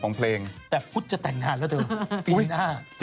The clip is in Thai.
หรอแต่พุธจะแต่งงานแล้วเถอะ